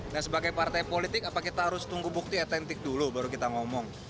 dan sebagai partai politik apakah kita harus tunggu bukti etentik dulu baru kita ngomong